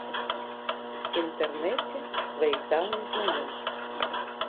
Інтэрнэце сваіх даўніх знаёмых.